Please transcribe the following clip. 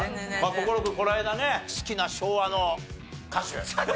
心君この間ね好きな昭和の歌手。